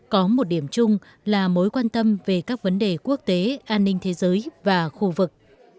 có một điểm chung là mối quan tâm về các vấn đề quốc tế an ninh thế giới và khu vực